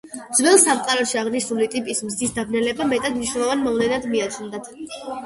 ძველ სამყაროში აღნიშნული ტიპის მზის დაბნელება მეტად მნიშვნელოვან მოვლენად მიაჩნდათ.